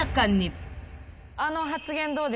あの発言どうでした？